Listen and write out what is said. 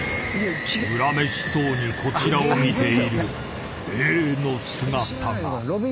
［恨めしそうにこちらを見ている霊の姿が］